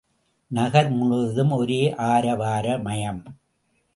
நகர் முழுவதும் ஒரே ஆரவாரமயம்.